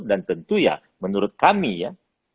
tentu ya menurut kami ya